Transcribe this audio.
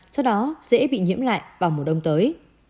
sau đó dễ bị nhiễm lại